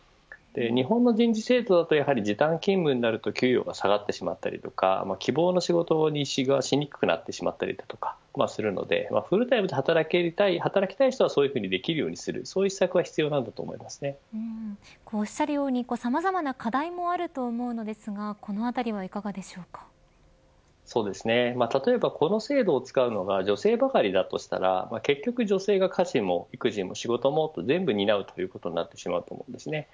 日本の人事制度だと、やはり時短勤務になると給与が下がってしまったり希望の仕事にしにくくなってしまったりだとかするのでフルタイムで働きたい人はそういうふうにできるようにするそういう施策がおっしゃるようにさまざまな課題もあると思うのですが例えば、この制度を使うのが女性ばかりだとしたら結局、女性が家事も育児も仕事も全部担うということになってしまうと思います。